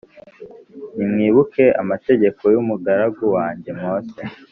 “Nimwibuke amategeko y’umugaragu wanjye Mose